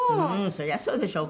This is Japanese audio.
そりゃそうでしょ。